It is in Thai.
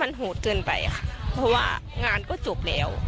มันโหดเกินไปค่ะเพราะว่างานก็จบแล้ว